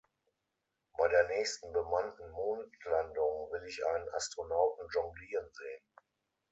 Bei der nächsten bemannten Mondlandung will ich einen Astronauten jonglieren sehen.